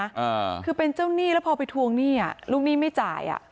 อ่าคือเป็นเจ้าหนี้แล้วพอไปทวงหนี้อ่ะลูกหนี้ไม่จ่ายอ่ะ